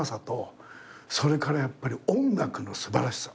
それからやっぱり音楽の素晴らしさ。